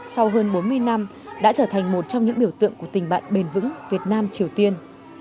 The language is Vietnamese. sau hơn bốn mươi năm đã trở thành một trong những biểu tượng của tình bạn bền vững việt nam triều tiên